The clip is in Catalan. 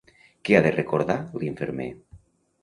Què ha de recordar l'infermer?